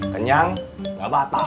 kenyang gak batal